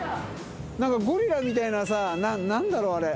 何かゴリラみたいなさ何だろう？